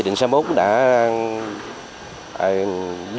nghị định sáu mươi một đã